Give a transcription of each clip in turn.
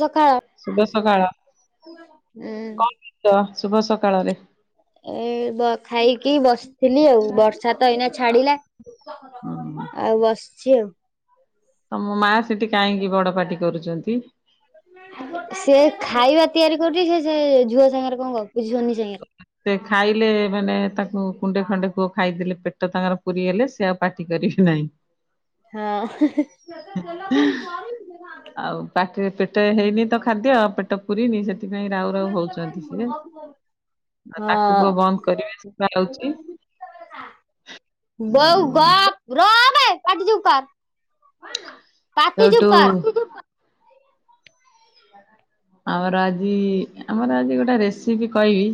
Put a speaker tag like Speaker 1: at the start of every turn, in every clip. Speaker 1: ସକାଳ
Speaker 2: ଶୁଭ ସକାଳ
Speaker 1: ହୁଁ।
Speaker 2: ତ ଶୁଭ ସକାଳରେ।
Speaker 1: ଏ ଖାଇକି ବସିଥିଲି ଆଉ ବର୍ଷା ତ ଏଇନା ଛାଡିଲା।
Speaker 2: ହୁଁ
Speaker 1: ଆଉ ବସିଛି ଆଉ।
Speaker 2: ତମ ମା ସେଠି କାହିଁକି ବଡ ପାଟି କରୁଛନ୍ତି?
Speaker 1: ସେ ଖାଇବା ତିଆରି କରୁଛି ସେ ସେ ଝୁଅ ସାଙ୍ଗରେ କଣ ଗପୁଚି ଝୁନି ସାଙ୍ଗରେ।
Speaker 2: ସେ ଖାଇଲେ ମାନେ ତାକୁ କୁଣ୍ଡେ ଖଣ୍ଡେ କୁଅ ଖାଇଦେଲେ ପେଟ ତାଙ୍କର ପୁରି ଗଲେ ସେ ଆଉ ପାଟି କରିିବି ନାହିଁ।
Speaker 1: ହଁ।
Speaker 2: ଆଉ ପାଟିରେ ପେଟ ହେଇନି ତ ଖାଦ୍ୟ ପେଟ ପୁରିନି ସେଥିପାଇଁ ରାଉ ରାଉ ହଉଛନ୍ତି ସିଏ। ଆଉ ତାକୁ କୁହ ବନ୍ଦ କରିବେ
Speaker 1: ହଁ।
Speaker 2: ଶୁଭା ଯାଉଛି
Speaker 1: ବଉ
Speaker 2: ଆଉ
Speaker 1: ଗଫ୍ ରହ ବେ ପାଟି ଚୁପ୍ କର୍।
Speaker 2: ସେଉଟୁ। ଆମର ଆଜି ଆମର ଆଜି ଗୋଟେ ରେସିପି କହିବି।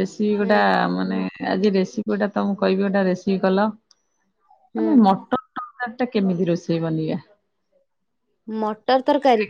Speaker 2: ରେସିପି
Speaker 1: ହୁଁ
Speaker 2: ଗୋଟା ମାନେ ଆଜି ରେସିପି ଗୋଟା ତମଁ କହିବି ଗୋଟେ ରେସିପି କଲ।
Speaker 1: ହୁଁ
Speaker 2: ତମେ ମଟର ତରକାରୀ ଟା କେମିତି ରୋଷେଇ ବନେଇବା?
Speaker 1: ମଟର ତରକାରୀ।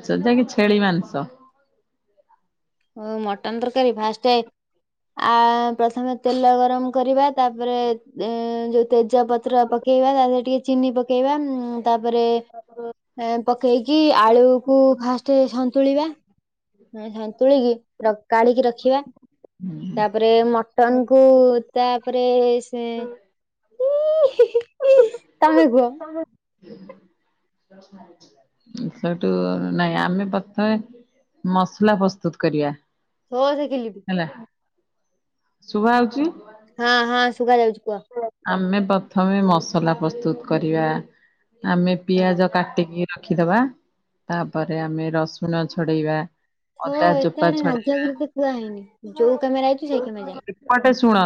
Speaker 2: [inaudible] ଛେଳି ମାଂସ
Speaker 1: ହଉ ମଟନ ତରକାରୀ ଫାଷ୍ଟ ଆ ପ୍ରଥମେ ତେଲ ଗରମ କରିବା ତାପରେ ଯ ତେଜ ପତ୍ର ପକେଇବା ତା ଦେରେ ଟିକେ ଚିନି ପକେଇବା ତାପରେ ପକାଇକି ଆଳୁକୁ ଫାଷ୍ଟ ସନ୍ତୁଳିବା। ସନ୍ତୁଳିକି କାଢିକି ରଖିବା ତାପରେ ରେ ମଟନ୍ କୁ ତାପରେ ସେ [unintelligible] ତମେ କୁହ
Speaker 2: [inaudible] ଏଥିରୁ ଟିକେ ନାଇଁ ଆମେ ପ୍ରଥମେ ମସଲା ପ୍ରସ୍ତୁତ କରିବା।
Speaker 1: ହଁ ସିଖିଲି ବି।
Speaker 2: ହେଲା। ସୁବା ହଉଛି।
Speaker 1: ହଁ ହଁ ଶୁବା ଯାଉଛି କୁହ।
Speaker 2: ଆମେ ପ୍ରଥମେ ମସଲା ପ୍ରସ୍ତୁତ କରିବା ଆମେ
Speaker 1: ହଁ
Speaker 2: ପିଆଜ କାଟିକି ରଖିଦବା ତାପରେ ଆମେ ରସୁଣ ଛଡ଼େଇବା
Speaker 1: ଥୋ
Speaker 2: ଅଦା
Speaker 1: ଏତେ
Speaker 2: ଚୋପା ଛଡ଼େ
Speaker 1: [unintelligible] କୁହା ହେଇନି ଯୋଉ କାମରେ ଆଇଛୁ ସେଇ କ୍ୟାମେରା ଯା
Speaker 2: ଏପଟେ ଶୁଣ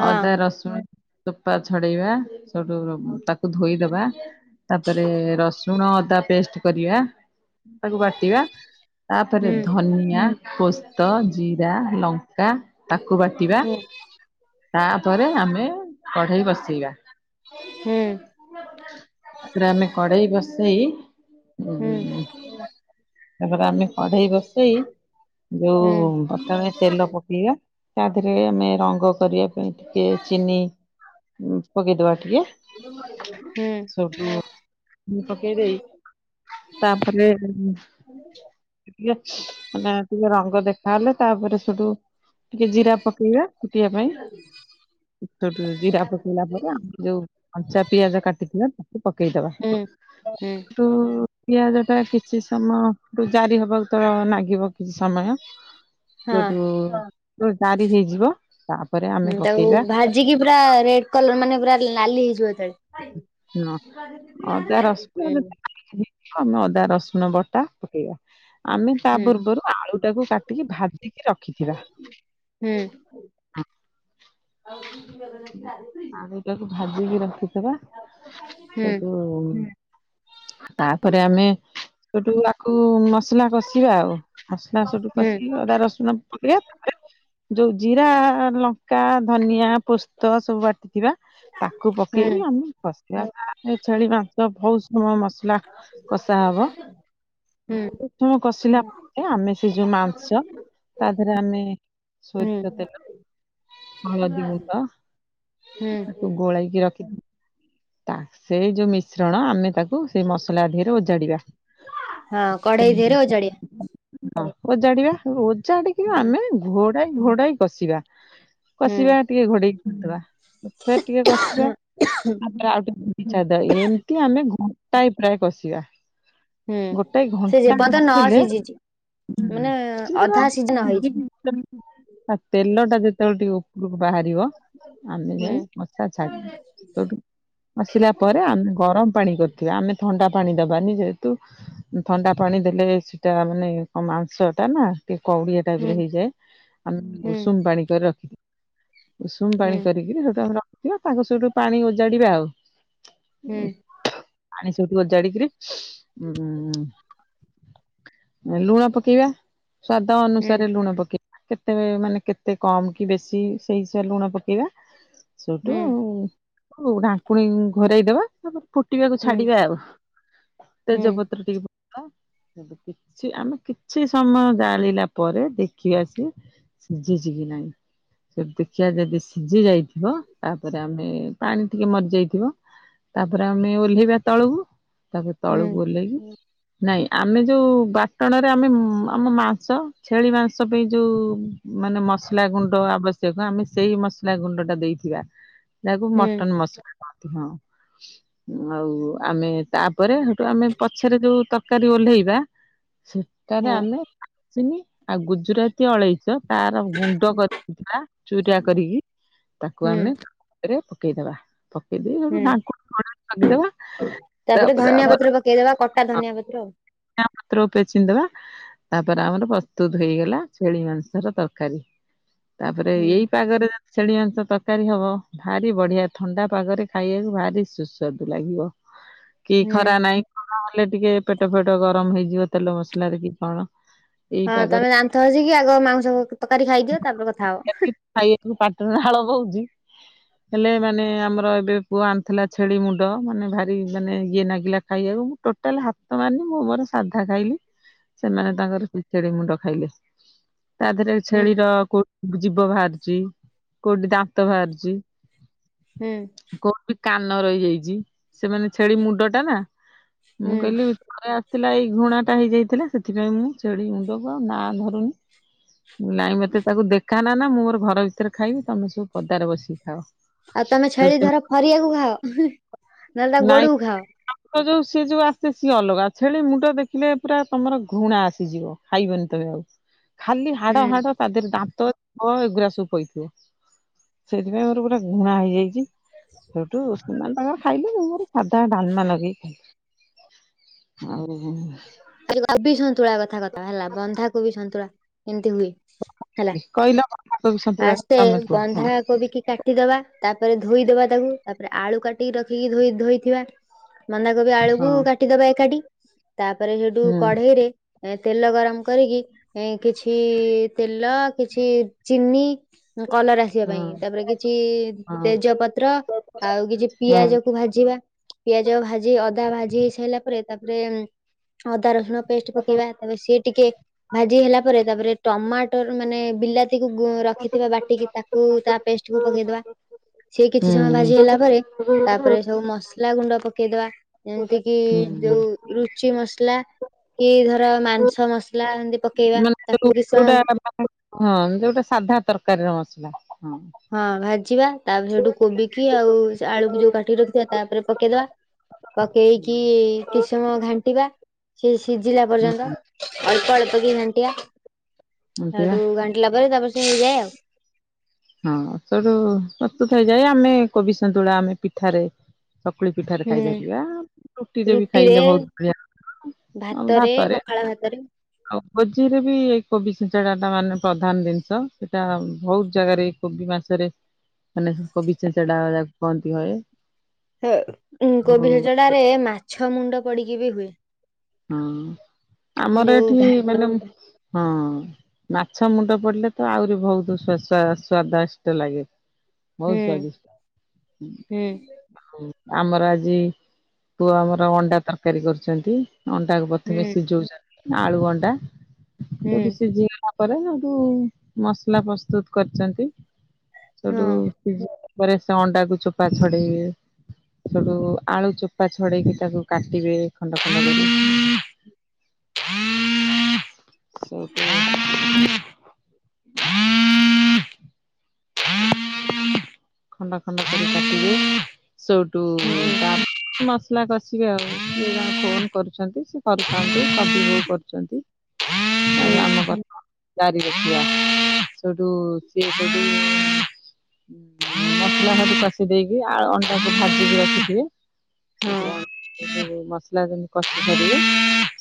Speaker 1: ହଁ
Speaker 2: ଅଦା ରସୁଣ ଚୋପା ଛଡ଼େଇବା ସେଠୁ ତାକୁ ଧୋଇଦବା ତାପରେ ରସ ସୁଣ ଅଦା ପେଷ୍ଟ କରିବା ତାକୁ ବାଟିବା ତାପରେ
Speaker 1: ହୁଁ
Speaker 2: ଧନିଆ ପୋସ୍ତ ଜିରା ଲଙ୍କା ତାକୁ ବାଟିବା।
Speaker 1: ହୁଁ
Speaker 2: ତାପରେ ଆମେ କଢ଼େଇ ବସେଇବା।
Speaker 1: ହୁଁ
Speaker 2: ତାପରେ ଆମେ କଡ଼େଇ ବସେଇ
Speaker 1: ହୁଁ
Speaker 2: ଉଁ ତାପରେ ଆମେ କଡ଼େଇ ବ ଷେଇ
Speaker 1: ହୁଁ
Speaker 2: ଯୋଉ ପ୍ରଥମେ ତେଲ ପକେଇବା ତା ଦେହେରେ ଆମେ ରଙ୍ଗ କରିବା ପାଇଁ ଟିକେ ଚିନି ପକେଇଦବା ଟିକେ ସଠୁ ମୁ ପକେଇ ଦେଇ ତାପରେ ଟିକେ ମାନେ ଟିକେ ରଙ୍ଗ ଦେଖାହେଲେ ତାପରେ ସେଠୁ ଟିକେ ଜିରା ପକେଇବା ଫୁଟିବା ପାଇଁ ଜିରା ପକେଇଲା ପରେ ଆମେ ଯୋଉ। କଞ୍ଚା ପିଆଜ କାଟିଥିବା ତାକୁ ପକେଇଦବା।
Speaker 1: ହୁଁ ହୁଁ ହୁଁ।
Speaker 2: ତୁ ପିଆଜ ଟା କିଛି ସମୟ ଜାରି ହବାକୁ ତ ନାଗିବ କିଛି ସମୟ
Speaker 1: ହଁ
Speaker 2: ସେଠୁ ତ ଜାରି ହେଇଯିବ ତାପରେ ଆମେ
Speaker 1: ହୁଁ ତାକୁ
Speaker 2: ପକେଇବା
Speaker 1: ଭାଜିକି ପୁରା ରେଡ୍ କଲର ମାନେ ପୁରା ନାଲି ହେଇଯିବ ଯେତେଳେ-
Speaker 2: ହଁ ଅଦା ରସୁଣ [unintelligible] ଆମ ଅଦା ରସୁଣ ବଟା ପକେଇବା। ଆମେ ତା
Speaker 1: ହୁଁ
Speaker 2: ପୂର୍ବରୁ ଆଳୁ ଟାକୁ କାଟିକି ଭାଜିକି ରଖିଥିବା।
Speaker 1: ହୁଁ
Speaker 2: ଆଳୁଟାକୁ ଭାଜିକି ରଖିଥିବା
Speaker 1: ହୁଁ
Speaker 2: ସେଟୁ ତାପରେ ଆମେ ସେଠୁ ଆକୁ ମସ୍ ମସଲା କଷିବା ଆଉ ମସଲା ସବୁ
Speaker 1: ହୁଁ
Speaker 2: କଷିକି ଅଦା ରଶୁଣ ପକେଇବା ଚ ଯୋଉ ଜିରା, ଲଙ୍କା, ଧନିଆ, ପୋସ୍ତ ସବୁ ବାଟି ଥିବା ତାକୁ
Speaker 1: ହୁଁ
Speaker 2: ପକେଇକି ଆମେ କଷିବା ଛେଳି ମାଂସ ବହୁତ ସମୟ ମସ
Speaker 1: [inaudible] ହୁଁ
Speaker 2: ହୁଁ କଷିଲା ପରେ ଆମେ ସେ ଯୋଉ ମାଂସ ତା ଦେହରେ ଆମେ
Speaker 1: ହୁଁ
Speaker 2: ସୋରିଷତେଲ ହଳଦି ଗୁଣ୍ଡ
Speaker 1: ହୁଁ
Speaker 2: ତାକୁ ଗୋଲାଇକି ରଖିଥି ତା ସେ ଯୋଉ ମିଶ୍ରଣ ଆମେ ତାକୁ ତାକୁ ସେଇ ମସଲାଦେହରେ ଓଜାଡ଼ିବା।
Speaker 1: ହଁ କଢେଇ ଦେହରେ ଓଜାଡିଆ
Speaker 2: ହଁ, ଓଜାଡ଼ିବା ଓଜାଡ଼ିବା
Speaker 1: ହୁଁ
Speaker 2: ଆମେ ଘୋଡ଼ା ଘୋଡ଼ାଇ କଷିବା।
Speaker 1: ହୁଁ
Speaker 2: କଷିବା ଟିକେ ଘୋଡ଼େଇକି [unintelligible] ଫେର ଟିକେ କଷିବା ତାପରେ ଆଉ ଟିକେ ଏମିତି ଛାଡ଼ି ଦବା ଏମିତି ଆମେ ଘଣ୍ଟାଏ ପ୍ରାୟ କଷିବା।
Speaker 1: ହୁଁ
Speaker 2: ଗୋଟାଏ
Speaker 1: ସେ
Speaker 2: ଘଣ୍ଟା
Speaker 1: ଯେପର୍ଯ୍ୟନ୍ତ ନ
Speaker 2: ବସିଲେ
Speaker 1: ସିଝିଛି ମାନେ
Speaker 2: ସେ ପୁରା
Speaker 1: ଅଧା ସିଝନ ହେଇଛି
Speaker 2: [unintelligible] ତା ତେଲ ଟା ଯେତେବେଳେ ଟିକେ ଉପରକୁ ବାହାରିବ ଆମେ
Speaker 1: ହୁଁ
Speaker 2: ଯାଇ କଶା ଛାଡିବା ହେଉଠୁ କସିଲା ପରେ ଆମେ ଗରମ ପାଣି କରିଥିବା ଆମେ ଥଣ୍ଡା ପାଣି ଦବାନି ଯେହେତୁ ଥଣ୍ଡା ପାଣି ଦେଲେ ସେଟା ମାନେ କଣ ମାଂସଟା ନା ଟିକେ କଉଡିଆ
Speaker 1: ହୁଁ
Speaker 2: ଟାଇପର ହେଇଯାଏ ଆମେ
Speaker 1: ହୁଁ
Speaker 2: ଉଷୁମ ପାଣି କରି ରଖିଥି ଉସୁୁମ
Speaker 1: ହୁଁ
Speaker 2: ପାଣି କରିକିରି ସେଉଠୁ ଆମେ ରଖିଥିବା ତାଙ୍କ ସେଉଠୁ ପାଣି ଓଜାଡିବା ଆଉ।
Speaker 1: ହୁଁ।
Speaker 2: ପାଣି ସେଇଠୁ ଓଜାଡିକିରି ଉଁଁ ମୁଁ ଏଇ ଲୁଣ ପକେଇବା। ସ୍ଵାଦ
Speaker 1: ହୁଁ
Speaker 2: ଅନୁସାରେ ଲୁଣ ପକେଇବା କେତେ ମାନେ କେତେ କମ୍ କି ବେଶୀ ସେଇ ହିସାବରେ ଲୁଣ ପକେଇବା ସେଇଠୁ
Speaker 1: ହୁଁ
Speaker 2: ଢାଙ୍କୁଣୀ ଘୋରେଇ ଦେବା ତାପରେ ଫୁଟିବାକୁ
Speaker 1: ହୁଁ
Speaker 2: ଛାଡିବା ଆଉ
Speaker 1: ହୁଁ
Speaker 2: ତେଜପତ୍ର ଟିକେ ପ୍ ବା ତାପ କିଛି ଆମେ କିଛି ସମୟ ଜାଳିଲା ପରେ ଦେଖି ଆସି ସିଝିଚି କି ନାଇଁ ସେଉଠୁ ଦେଖିବା ଯଦି ସି ସିଝି ଯାଇଥିବ ତାପରେ ଆମେ ପାଣି ଟିକେ ମରିଯାଇଥିବ ତାପରେ ଆମେ ଓହ୍ଲେଇବା ତଳକୁ ତାପରେ
Speaker 1: ହୁଁ
Speaker 2: ତଳକୁ ଓହ୍ଲେଇକି ନାଇଁ ଆମେ ଯୋଉ ବାଟଣରେ ଆମେ ଉମ୍ ଆମ ମାଂସ ଛେଳି ମାଂସ ପାଇଁ ଯୋଉ ମାନେ ମସଲା ଗୁଣ୍ଡ ଆବଶ୍ୟକ ଆମେ ସେଇ ମସ୍ ଲା ଗୁଣ୍ଡଟା ଦେଇଥିବା ଯାହାକୁ
Speaker 1: ହୁଁ
Speaker 2: ମଟନ ମସଲା କହନ୍ତି ହଁ। ଆଉ ଆମେ ତାପରେ ହେଠୁ ଆମେ ପଛରେ ଯୋଉ ତରକାରୀ ଓହ୍ଲେଇବା ସେଟାରେ
Speaker 1: ହଁ
Speaker 2: ଆମେ ଡାଲଚିନି ଆଉ ଗୁଜୁରାତି, ଅଳେଇଚ ତାର ଗୁଣ୍ଡ କରିଥିବା ଚୁରା କରିକି ତାକୁ
Speaker 1: ହୁଁ
Speaker 2: ଆମେ କରିବା ପକେଇଦବା ପକେଇ ଦେଇକି ଆମେ
Speaker 1: ହୁଁ
Speaker 2: ଘାଣ୍ଟି ଢାଙ୍କିଦବା ତାପରେ
Speaker 1: ଧନିଆ ପତ୍ର
Speaker 2: ଆମର
Speaker 1: ପକେଇଦବା କଟା
Speaker 2: [inaudible]
Speaker 1: ଧନିଆ ପତ୍ର ଆଉ
Speaker 2: ଧନିଆ ପତ୍ର ଓପରେ ଛିଞ୍ଚିଦବା ତାପରେ ଆମର ପ୍ରସ୍ତୁତ ହେଇଗଲା ଛେଳି ମାଂସର ତରକାରୀ। ତାପରେ
Speaker 1: ହୁଁ
Speaker 2: ଏଇ ପାଗରେ ଛେଳି ମାଂସ ତରକାରୀ ହବ ଭାରି ବଢିଆ ଥଣ୍ଡା ପାଗରେ ଖାଇବାକୁ ଭାରି ସୁସ୍ୱାଦୁ ଲାଗିବ। ହ କି
Speaker 1: ହୁଁ
Speaker 2: ଖରା ନାହିଁ ଖରା ହେଲେ ଟିକେ ପେଟ ଫେଟ ଗରମ ହେଇଯିବ ତେଲ ମସଲାରେ କି କଣ। ଏଇ
Speaker 1: ହଁ
Speaker 2: ପାଗରେ
Speaker 1: ତମେ ଦାନ୍ତ ଘସିକି ଆଗ ମାଉଂସ ତରକାରୀ ଖାଇଦିଅ ତାପରେ କଥା ହବ।
Speaker 2: ଖାଇବାକୁ ପାଟିରୁ ନାଳ ବୋଉଚି। ହେଲେ ମାନେ ଆମର ଏବେ ପୁଅ ଆଣିଥିଲା ଛେଳି ମୁଣ୍ଡ ମାନେ ଭାରି ମାନେ ଇଏ ନାଗିଲା ଖାଇବାକୁ। ଟୋଟାଲେ ହାତ ମାରନି ମୁଁ ମୋର ସାଧା ଖାଇଲି ସେମାନେ ତାଙ୍କର ପିଚେଡି ମୁଣ୍ଡ ଖାଇଲେ। ତା ଦେହରେ
Speaker 1: ହୁଁ।
Speaker 2: ଛେଳିର କୋଉଠି ଜୀବ ବାହାରୁଚି କୋଉଠି ଦାନ୍ତ ବାହାରୁଚି
Speaker 1: ହୁଁ।
Speaker 2: କୋଉଠି କାନ ରହିଯାଇଚି ସେ ମାନେ ଛେଳି ମୁଣ୍ଡଟା ନା ମୁଁ
Speaker 1: ହୁଁ
Speaker 2: କହିଲି ଘରେ ଆସିଥିଲା ଏଇ ଘୃଣାଟା ହେଇଯାଇଥିଲା ସେଥିପାଇଁ ମୁଁ ଛେଳି ମୁଣ୍ଡକୁ ଆଉ ନା ଧରୁନି। ମୁଁ କଇଲି ନାଇଁ ମତେ ତାକୁ ଦେଖାନ ନା ମୁଁ ମୋର ଘର ଭିତରେ ଖାଇବି ତମେ ସବୁ ପଦାରେ ବସିକି ଖାଅ।
Speaker 1: ଆଉ ତମେ ଛେଳି ଧରା ଫରିିଆକୁ ଖାଅ ନହେଲେ ତା ଗୋଡକୁ ଖାଅ।
Speaker 2: କରଦୋବୁ ଯୋଉ ସିଏ ଯୋଉ ଆସେ ସିଏ ଅଲଗା ଛେଳି ମୁଣ୍ଡ ଦେଖିଲେ ପୁରା ତମର ଘୃଣା ଆସିଯିବ ଖାଇବନି ତମେ ଆଉ। ଖାଲି ହାଡ଼
Speaker 1: ହୁଁ
Speaker 2: ହାଡ଼ ତା ଦେହରେ ଦାନ୍ତ ଏଗୁଡରା ସବୁ ପଇଥିବ ସେଇଥିପାଇଁ ମୋର ଗୋଟେ ଘୃଣା ହେଇଯାଇଚି। ହେଉଠୁ ନହଲେ ତାଙ୍କ ଖାଇଲେ ମୁଁ ମୋର ସାଧା ଡାଲମା ଲଗେଇ ଖାଇଲି ଆଉ
Speaker 1: କୋବି ସନ୍ତୁଳା କଥା କଥା ହେଲା ବନ୍ଧାକୋବି ସନ୍ତୁଳା କେମିତି ହୁଏ? ହେଲା
Speaker 2: କହିଲ ବନ୍ଧାକୋବି ସନ୍ତୁଳା
Speaker 1: ଫାଷ୍ଟେ
Speaker 2: ତମେ କୁହ ହଁ
Speaker 1: ବନ୍ଧା କୋବିକି କା ଟି ଦବା ତାପରେ ଧୋଇଦବା ତାକୁ ତାପରେ ଆଳୁ କାଟିକି ରଖିକି ଧୋଇ ଧୋଇଥିବା। ବନ୍ଧାକୋବି ଆଳୁକୁ
Speaker 2: ହଁ
Speaker 1: କାଟିଦବା ଏକାଠି। ତାପରେ ହେଠୁ
Speaker 2: ହୁଁ
Speaker 1: କଢେ଼ଇ ରେ ଏଁ ତେଲ ଗରମ କରିକି ଏଁ କିଛି ତେଲ କିଛି ଚିନି। କଲର ଆସିବା
Speaker 2: ହଁ
Speaker 1: ପାଇଁ ତାପରେ କିଛି
Speaker 2: ହଁ
Speaker 1: ତେଜ ପତ୍ର ଆଉ କିଛି
Speaker 2: ହଁ
Speaker 1: ପିଆଜ କ କୁ ଭାଜିବା ପିଆଜ ଭାଜି ଅଦା ଭାଜି ହେଇ ସାରିଲା ପରେ ତାପରେ ଅଦା ରସୁଣ ପେଷ୍ଟ ପକେଇବା। ତାପରେ ସି ଟିକେ ଭାଜି ହେଲା ପରେ ତାପରେ ଟମାଟର ମାନେ ବିଲା ତିକୁ ରଖିଥିବା ବାଟିକି ତାକୁ ତା ପେଷ୍ଟକୁ ପକେଇଦବା। ସିଏ କିଛି ସମୟ ଭାଜି
Speaker 2: ହୁଁ
Speaker 1: ହେଲା ପରେ। ତାପରେ ସବୁ ମସଲା ଗୁଣ୍ଡ ପକେଇଦବା ଯେମିତି କିି
Speaker 2: ହୁଁ
Speaker 1: ଯୋଉ ରୁ ଚି ମସଲା କି ଧର ମାଂସ ମସଲା ଏମତି ପକେଇବା। ତାକୁ କିଛି ସମୟ
Speaker 2: କୋଉଟା ଆପଣ ହଁ ଯୋଉଟା ସାଧା ତରକାରୀର ମସଲା ହଁ।
Speaker 1: ହଁ ଭାଜିବା ତାପରେ ସେଠୁ କୋବିକି ଆଉ ସେ ଆଳୁକୁ ଯୋଉ କାଟିକି ରଖିଥିବା ତାପରେ ପକେଇଦବା। ପକେଇକି କିଛି ସମୟ ଘାଣ୍ଟିବା। ସିଏ ସିଜିଲା ପର୍ଯ୍ୟନ୍ତ
Speaker 2: ହୁଁ
Speaker 1: ଅଳ୍ପ ଅଳ୍ପ ଘାଣ୍ଟିଆ।
Speaker 2: ଏମିତି ବା।
Speaker 1: ହେଟୁ ଗାଣ୍ଟିଲା ପରେ ତାପରେ ସେ ହେଇଯାଏ ଆଉ।
Speaker 2: ହଁ ସଇଠୁ ପ୍ରସ୍ତୁତ ହେଇଯାଏ ଆମେ କୋବି ସନ୍ତୁଳା ଆମେ ପିଠାରେ ସକୁଳି ପିଠାରେ
Speaker 1: ହୁଁ
Speaker 2: ଖାଇପାରିବା ରୁଟିରେ ବି ଖାଇଲେ ବହୁତ ବଢି଼ଆ।
Speaker 1: ଭାତରେ ପଖାଳ ଭାତରେ।
Speaker 2: ଆଉ ଭୋଜି ରେ ବି ଏଇ କୋବି ଛିଞ୍ଚଡା ଟା ମାନେ ପ୍ରଧାନ ଜିନିଷ ସେଇଟା ଭୋଉତ ଜାଗାରେ କୋବି ମାଛରେ ମାନେ କୋବି ଛିଞ୍ଚଡା ଯାକୁ କହନ୍ତି ହଏ।
Speaker 1: ଏ ଉଁ
Speaker 2: ଆଉ
Speaker 1: କୋବି ଛେଚଡାରେ ମାଛ ମୁଣ୍ଡ ପଡିକି ବି ହୁଏ।
Speaker 2: ହଁ ଆମର
Speaker 1: ଯୋଉ
Speaker 2: ଏଠି
Speaker 1: ଘାଣ୍ଟ
Speaker 2: ମାନେ ହଁ ହଁ। ମାଛ ମୁଣ୍ଡ ପଡିଲେ ତ ଆହୁରି ବହୁତ ସୁ ସୁଆ ସ୍ଵାଦଷ୍ଟ ଲାଗେ। ବହୁତ
Speaker 1: ହୁଁ
Speaker 2: ସ୍ଵାଦିଷ୍ଟ।
Speaker 1: ହୁଁ
Speaker 2: ଆମର ଆଜି ପୁଅ ଆମର ଅଣ୍ଡା ତରକାରୀ କରିଚନ୍ତି। ଅଣ୍ଡାକୁ ପ୍ରଥମେ
Speaker 1: ହୁଁ
Speaker 2: ସିଜୋଉଚନ୍ତି ଆଳୁ ଅଣ୍ଡା
Speaker 1: ହୁଁ
Speaker 2: ଯୋଉଠି ସିଝିଲା ତାପରେ ହେଟୁ ମସଲା ପ୍ରସ୍ତୁତ କରିଛନ୍ତି
Speaker 1: ହଁ
Speaker 2: ସେଉଠୁ ସିଜିବା ପରେ ସେ ଅଣ୍ଡାକୁ ଚୋପା ଛଡେଇବେ। ସେଟୁ ଆଳୁ ଚୋପା ଛଡେଇକି ତାକୁ କାଟିବେ ଖଣ୍ଡ ଖ [inaudible] ହଁ [inaudible] ଖଣ୍ଡ ଖଣ୍ଡ କରି କାଟିବେ। ସେଇଠୁ
Speaker 1: ହୁଁ
Speaker 2: [unintelligible] ନ ମନା କରିଚିକି ଆଉ ସିଏ ତାଙ୍କର ଫୋନ କରୁଛନ୍ତି ସେ କରୁଥାନ୍ତୁ [unintelligible] କରୁଛନ୍ତି। ହଁ [inaudible]
Speaker 1: ହୁଁ।
Speaker 2: ପଢିବ ଚାରି ବର୍ଷିଆ ସେଇଠୁ ସିଏ ସେଇଠୁ ମସଲା ସବୁ କଷି ଦେଇକି ଆଳୁ ଅଣ୍ଡାକୁ ଭାଜିକି ରଖିଥିବେ।
Speaker 1: ହଁ
Speaker 2: [unintelligible] ମସାଲା ଯେମିତି କଷିସାରିବେ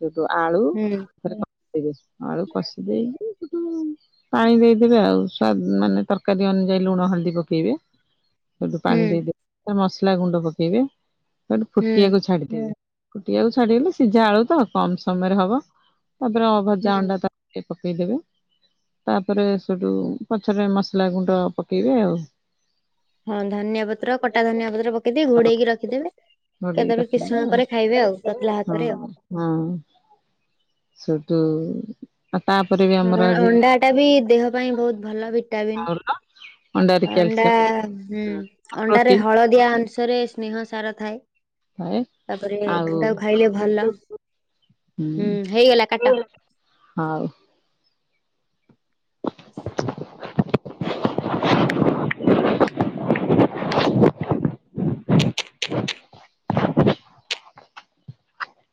Speaker 2: ସେଠୁ ଆଳୁ
Speaker 1: ହୁଁ।
Speaker 2: [unintelligible] ଆଳୁ କଷି ଦେଇକି ସେଟୁ ପାଣି ଦେଇଦେବେ ଆଉ ସୁଆ ମାନେ ତରକାରୀ ଅନୁଯାୟୀ ଲୁଣ ହଳଦୀ ପକାଇବେ ସେଇଠୁ
Speaker 1: ହୁଁ
Speaker 2: ପାଣି ଦେଇଦେବେ। ମସଲା ଗୁଣ୍ଡ ପକେଇବେ ତାକୁ
Speaker 1: ହୁଁ
Speaker 2: ଫୁଟିଆକୁ ଛାଡି ଦେବେ। ଫୁଟିଆକୁ ଛାଡ଼ି ଦେଲେ ସିଝା ଆଳୁ ତ କମ୍ ସମୟ ରେ ହବ ତାପରେ ଭଜା
Speaker 1: ହୁଁ
Speaker 2: ଅଣ୍ଡା ତ ଟିକେ ପକେଇଦବେ ତାପରେ ସେଇଠୁ ପଛରେ ମ ସଲା ଗୁଣ୍ଡ ପକେଇବେ ଆଉ।
Speaker 1: ହଁ ଧନିଆ ପତ୍ର କଟା ଧନିଆ ପତ୍ର ପକେଇଦେଇ ଘୋଡେଇ କି ରଖିଦେବେ।
Speaker 2: ଘୋଡେଇକି
Speaker 1: କେତେବେଳେ କିସି
Speaker 2: ରଖିଦେବେ
Speaker 1: ସମୟ
Speaker 2: ଆଉ
Speaker 1: ପରେ ଖାଇବେ ଆଉ ତତଲା ହାତରେ।
Speaker 2: ହଁ ହଁ ସୁଟୁ ଆଉ ତାପରେ ବି
Speaker 1: ହଁ ଅଣ୍ଡା ଟା ବି ଦେହ ପାଇଁ ବହୁତ ଭଲ ଭିଟାମିିନ।
Speaker 2: ଚାଉଳ ଅଣ୍ଡାରେ
Speaker 1: ଅଣ୍ଡା
Speaker 2: କ୍ୟାଲସିୟମ
Speaker 1: ହୁଁ ଅଣ୍ଡାରେ
Speaker 2: ପ୍ରୋଟିନ
Speaker 1: ହଳଦିଆ ଅଂଶରେ ସ୍ନେହ ସାର ଥାଏ।
Speaker 2: ହଁ
Speaker 1: ତାପରେ
Speaker 2: ଆଉ
Speaker 1: ତାକୁ ଖାଇଲେ ଭଲ
Speaker 2: ହୁଁ।
Speaker 1: ହୁଁ ହେଇଗଲା କାଟ।
Speaker 2: ଆଉ।